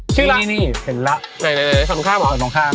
ชื่อนี่นี่เห็นแล้วสุพันธ์ข้างหรือ